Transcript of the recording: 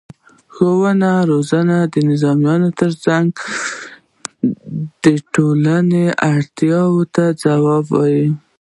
د ښوونې او روزنې نظام باید د ټولنې اړتیاوو ته ځواب ووايي.